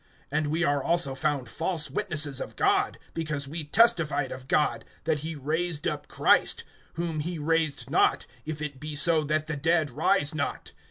(15)And we are also found false witnesses of God; because we testified of God, that he raised up Christ; whom he raised not, if it be so that the dead rise not.